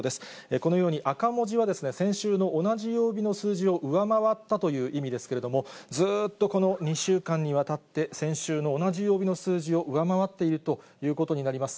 このように、赤文字は先週の同じ曜日の数字を上回ったという意味ですけれども、ずっとこの２週間にわたって、先週の同じ曜日の数字を上回っているということになります。